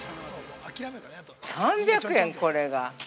◆３００円、これが！！